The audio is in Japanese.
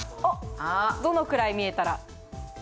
どのぐらい見えたら？